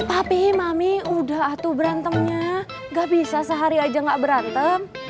papi mami udah tuh berantemnya enggak bisa sehari aja enggak berantem